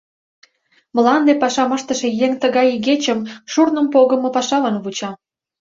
Мланде пашам ыштыше еҥ тыгай игечым шурным погымо пашалан вуча...